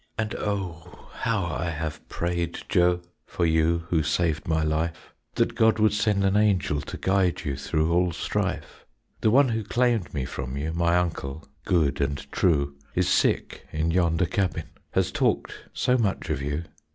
"And oh, how I have prayed, Joe, For you who saved my life, That God would send an angel To guide you through all strife. The one who claimed me from you, My Uncle, good and true, Is sick in yonder cabin; Has talked so much of you.